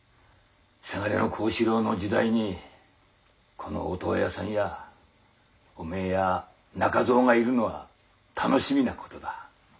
せがれの幸四郎の時代にこの音羽屋さんやおめえや中蔵がいるのは楽しみなことだ。